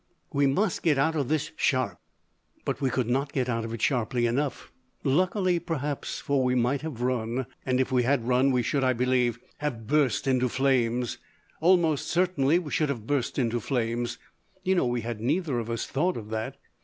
We must get out of this sharp." But we could not get out of it sharply enough. Luckily, perhaps! For we might have run, and if we had run we should, I believe, have burst into flames. Almost certainly we should have burst into flames! You know we had neither of us thought of that....